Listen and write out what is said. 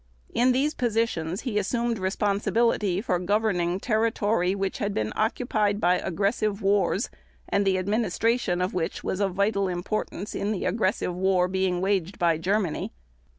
In these positions he assumed responsibility for governing territory which had been occupied by aggressive wars and the administration of which was of vital importance in the aggressive war being waged by Germany.